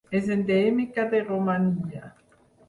És endèmica de Romania.